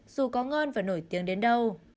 dù có ngon và nổi tiếng đến đâu